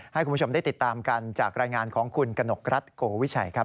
ให้คุณผู้ชมได้ติดตามกันจากรายงานของคุณกนกรัฐโกวิชัยครับ